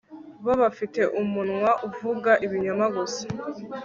bo bafite umunwa uvuga ibinyoma gusa